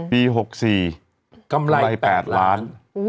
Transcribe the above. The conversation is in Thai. ปี๖๔กำไร๘ล้าน